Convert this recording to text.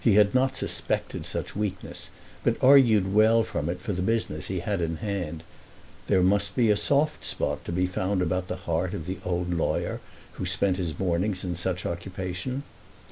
He had not suspected such weakness, but argued well from it for the business he had in hand. There must be a soft spot to be found about the heart of an old lawyer who spent his mornings in such occupation.